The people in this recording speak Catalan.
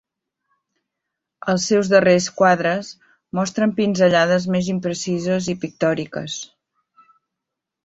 Els seus darrers quadres mostren pinzellades més imprecises i pictòriques.